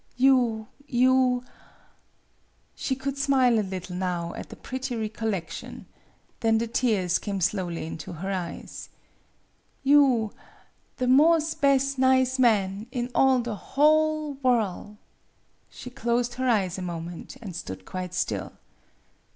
You you" she could smile a little now at the pretty recollection 82 MADAME BUTTERFLY then the tears came slowly into her eyes "you the mos' bes' nize man in all the whole wort'." She closed her eyes a moment, and stood quite still.